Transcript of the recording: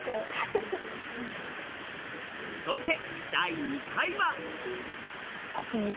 そして第２回は。